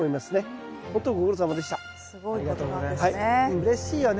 うれしいよね